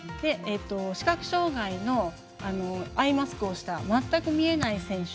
視覚障がいのアイマスクをした全く見えない選手